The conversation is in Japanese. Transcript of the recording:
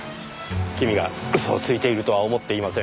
君が嘘をついているとは思っていません。